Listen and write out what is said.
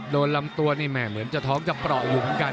โดนลำตัวเหมือนจะท้องจะเปราะอยู่เหมือนกัน